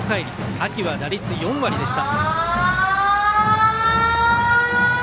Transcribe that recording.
秋は打率４割でした。